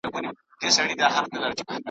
اوس دي بېغمه ګرځي ښاغلي .